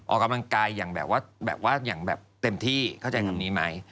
ออกกำลังกายอย่างแบบว่าเต็มที่เข้าใจคำนี้ไหม